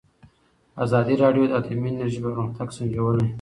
ازادي راډیو د اټومي انرژي پرمختګ سنجولی.